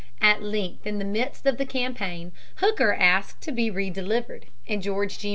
At length, in the midst of the campaign, Hooker asked to be relieved, and George G.